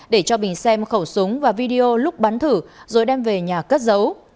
để cho bình xem khẩu súng và video lúc bắn thử rồi đem về nhà cất giấu